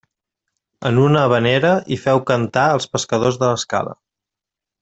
En una havanera, hi feu cantar Els Pescadors de l'Escala.